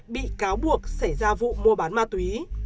bị cáo buộc xảy ra vụ mua bán ma túy